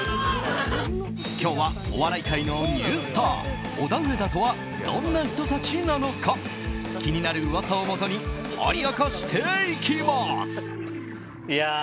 今日はお笑い界のニュースターオダウエダとはどんな人たちなのか気になる噂をもとに掘り起こしていきます。